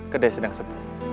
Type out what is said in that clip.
kedai sedang sepi